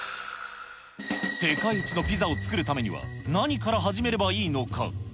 世界一のピザを作るためには、何から始めればいいのか。